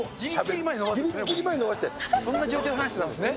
そんな状況で話してたんですね。